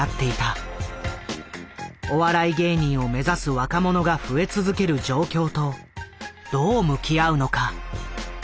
お笑い芸人を目指す若者が増え続ける状況とどう向き合うのか？